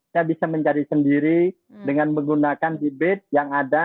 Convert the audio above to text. saya bisa mencari sendiri dengan menggunakan bibit yang ada